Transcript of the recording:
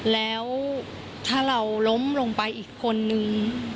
แล้วถ้าเราล้มลงไปอีกคนนึง